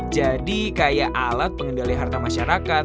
jadi kayak alat pengendali harta masyarakat